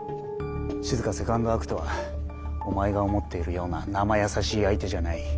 しずかセカンドアクトはお前が思っているようななまやさしい相手じゃない。